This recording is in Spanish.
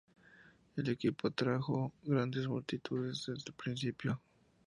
El equipo atrajo grandes multitudes desde el principio.